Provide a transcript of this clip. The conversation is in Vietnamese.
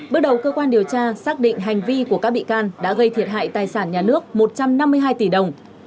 bước đầu cơ quan điều tra xác định hành vi của các bị can đã gây thiệt hại tài sản nhà nước một trăm năm mươi hai tỷ đồng